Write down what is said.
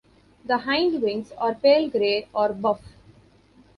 The hindwings are pale grey or buff.